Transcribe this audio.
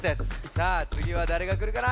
さあつぎはだれがくるかな？